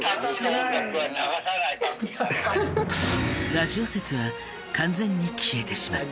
ラジオ説は完全に消えてしまった。